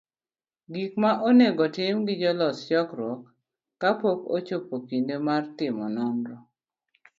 Gik ma onego tim gi jolos chokruok ,Ka pok ochopo kinde mar timo nonro,